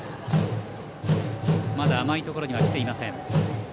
まだ甘いところにはきていません。